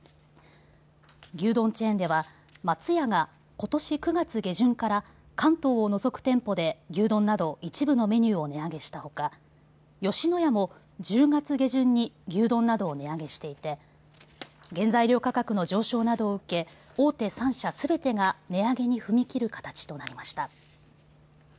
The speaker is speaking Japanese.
牛丼チェーンでは松屋がことし９月下旬から関東を除く店舗で牛丼など一部のメニューを値上げしたほか吉野家も１０月下旬に牛丼などを値上げしていて原材料価格の上昇などを受け大手３社すべてが値上げに踏み切る形となりました。